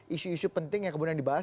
isu isu penting yang kemudian dibahas